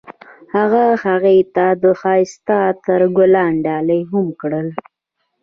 هغه هغې ته د ښایسته عطر ګلان ډالۍ هم کړل.